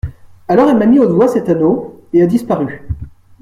Alors elle m’a mis au doigt cet anneau, et a disparu.